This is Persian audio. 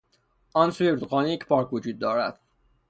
آن سوی رودخانه یک پارک وجود دارد.